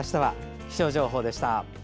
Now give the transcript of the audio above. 気象情報でした。